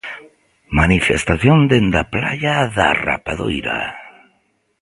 Manifestación dende a Praia da Rapadoira.